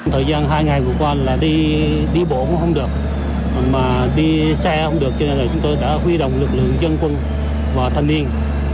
thời gian hai ngày vừa qua là đi bộ cũng không được mà đi xe không được cho nên là chúng tôi đã huy động lực lượng dân quân và thanh niên